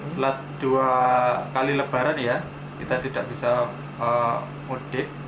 setelah dua kali lebaran ya kita tidak bisa mudik